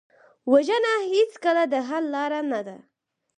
وژنه هېڅکله د حل لاره نه ده